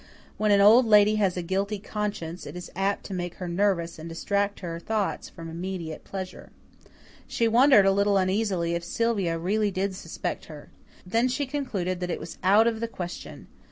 When an Old Lady has a guilty conscience, it is apt to make her nervous and distract her thoughts from immediate pleasure. She wondered a little uneasily if Sylvia really did suspect her. Then she concluded that it was out of the question.